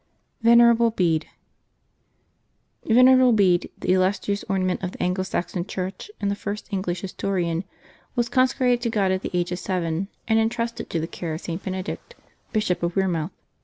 VENERABLE BEDE. VENERABLE Bede, the illustrious ornament of the Anglo Saxon Church and the first English historian, was consecrated to God at the age of seven, and intrusted to the care of St. Benedict Biscop at Wearmouth.